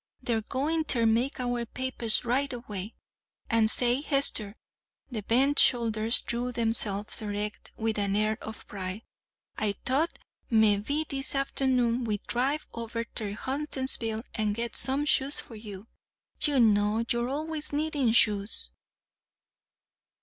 They're goin' ter make out the papers right away; an' say, Hester," the bent shoulders drew themselves erect with an air of pride, "I thought mebbe this afternoon we'd drive over ter Huntersville an' get some shoes for you. Ye know you're always needin' shoes!"